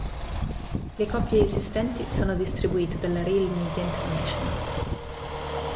Le copie esistenti sono distribuite dalla Reel Media International.